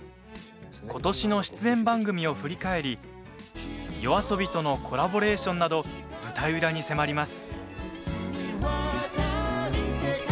ことしの出演番組を振り返りＹＯＡＳＯＢＩとのコラボレーションなど舞台裏に迫ります。